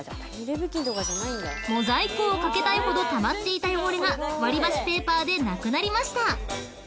［モザイクをかけたいほどたまっていた汚れが割り箸ペーパーでなくなりました］